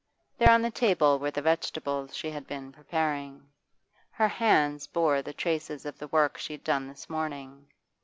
There on the table were the vegetables she had been preparing; her hands bore the traces of the work she had done this morning.